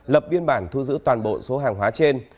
lập biên bản thu giữ toàn bộ số hàng hóa trên